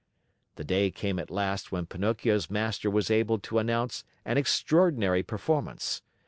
The day came at last when Pinocchio's master was able to announce an extraordinary performance.